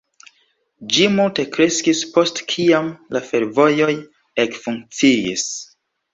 Ĝi multe kreskis post kiam la fervojoj ekfunkciis.